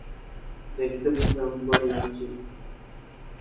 দেখতে ভয়ংকর লাগছে!